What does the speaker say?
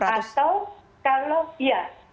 atau kalau ya